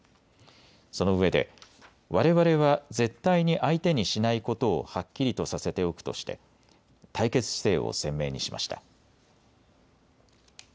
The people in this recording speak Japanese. そのうえで、われわれは絶対に相手にしないことをはっきりとさせておくとして対決姿勢を鮮明にしました。